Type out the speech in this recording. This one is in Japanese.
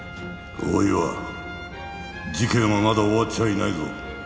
大岩事件はまだ終わっちゃいないぞ。